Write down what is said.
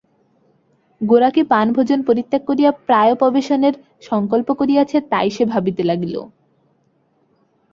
গোরা কি পানভোজন পরিত্যাগ করিয়া প্রায়োপবেশনের সংকল্প করিয়াছে তাই সে ভাবিতে লাগিল।